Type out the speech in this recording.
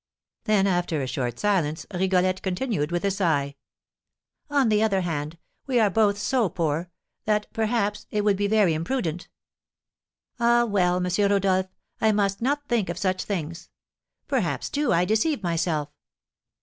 Then, after a short silence, Rigolette continued, with a sigh, "On the other hand, we are both so poor that, perhaps, it would be very imprudent. Ah, well, M. Rodolph, I must not think of such things. Perhaps, too, I deceive myself.